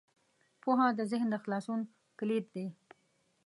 پوهه د ذهن د خلاصون کلید دی.